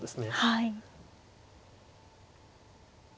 はい。